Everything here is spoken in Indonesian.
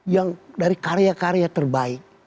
yang dari karya karya terbaik